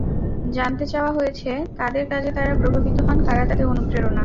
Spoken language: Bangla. জানতে চাওয়া হয়েছে কাদের কাজে তাঁরা প্রভাবিত হন, কারা তাঁদের অনুপ্রেরণা।